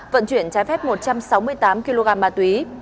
vận chuyển trái phép một trăm sáu mươi tám kg ma túy